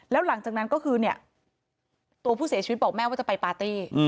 แล้วหลังจากนั้นก็คือเนี่ยตัวผู้เสียชีวิตบอกแม่ว่าจะไปปาร์ตี้